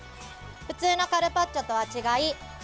普通のカルパッチョとは違い